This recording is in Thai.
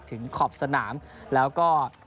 ถึงขอบสนามแล้วก็